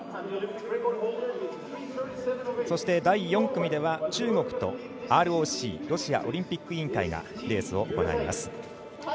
そして第４組では中国とＲＯＣ＝ロシアオリンピック委員会がレースを行います。